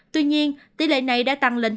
tuy nhiên tỷ lệ này không đáng đáng đáng đáng